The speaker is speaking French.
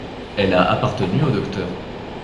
Elle a appartenu au Dr.